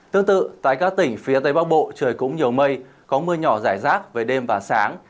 tương tự tại các tỉnh phía tây bắc bộ trời cũng nhiều mây có mưa nhỏ rải rác về đêm và sáng